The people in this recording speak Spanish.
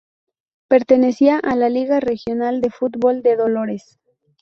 Pertenecía a la Liga Regional de Fútbol de Dolores.